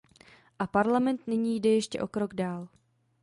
A Parlament nyní jde ještě o krok dál.